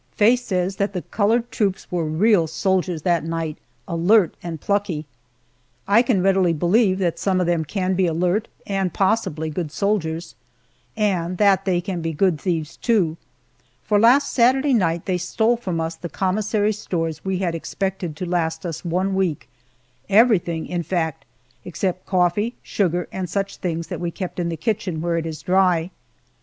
Faye says that the colored troops were real soldiers that night, alert and plucky. I can readily believe that some of them can be alert, and possibly good soldiers, and that they can be good thieves too, for last Saturday night they stole from us the commissary stores we had expected to last us one week everything, in fact, except coffee, sugar, and such things that we keep in the kitchen, where it is dry.